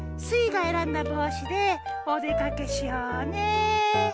スイがえらんだぼうしでおでかけしようね。